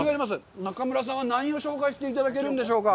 中村さんは何を紹介していただけるんでしょうか。